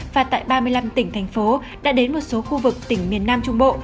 và tại ba mươi năm tỉnh thành phố đã đến một số khu vực tỉnh miền nam trung bộ